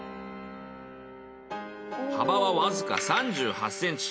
幅はわずか３８ｃｍ。